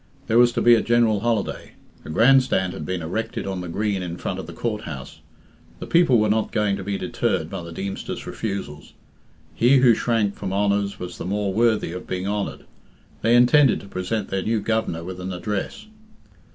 There was to be a general holiday. A grand stand had been erected on the green in front of the Court house. The people were not going to be deterred by the Deemster's refusals. He who shrank from honours was the more worthy of being honoured. They intended to present their new Governor with an address.